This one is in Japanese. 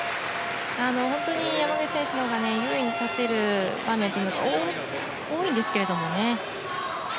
本当に山口選手のほうが優位に立てる場面が多いんですけれどもね。